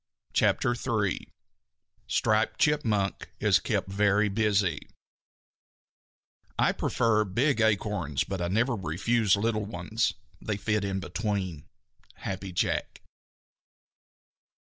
] CHAPTER III STRIPED CHIPMUNK IS KEPT VERY BUSY I prefer big acorns but I never refuse little ones. They fit in between. _Happy Jack.